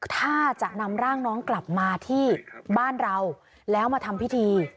ถ้าจะนำร่างน้องกลับมาที่บ้านเราแล้วมาทำพิธี